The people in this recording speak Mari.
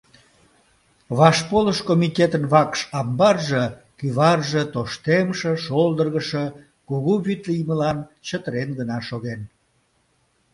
Вашполыш комитетын вакш амбарже, кӱварже тоштемше, шолдыргышо, кугу вӱд лиймылан чытырен гына шоген.